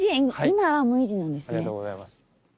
今はもみじなんですね。